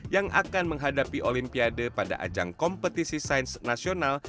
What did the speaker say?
yang akan menghadapi olimpiade pada ajang kompetisi sains nasional